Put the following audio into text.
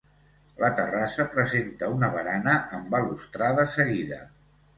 La terrassa presenta una barana amb balustrada seguida.